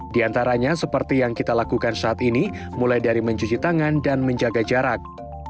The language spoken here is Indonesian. di antaranya seperti yang kita lakukan saat ini mulai dari mencuci tangan dan menjaga jarak